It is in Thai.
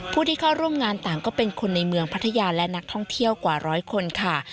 ผู้ที่เข้าร่วมงานต่างก็เป็นคนในเมืองพัทยาและนักท่องเที่ยวกว่าร้อยคนค่ะ